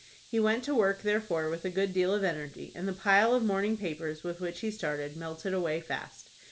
He went to work, therefore, with a good deal of energy, and the pile of morning papers, with which he started, melted away fast.